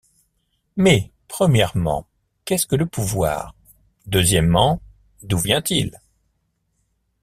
Mais, premièrement, qu’est-ce que le pouvoir? deuxièmement, d’où vient-il ?